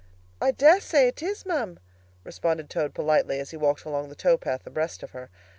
"I dare say it is, ma'am!" responded Toad politely, as he walked along the tow path abreast of her.